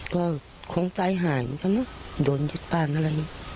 ก็คงใจหายเหมือนกันนะโดนยึดบ้านอะไรอย่างนี้